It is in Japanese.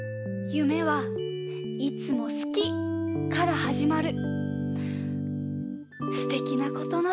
「夢はいつも好きから始まる」？